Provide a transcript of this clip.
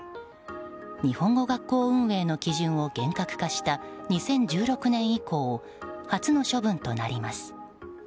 日本語学校運営の基準を厳格化した２０１６年以降初の処分となります。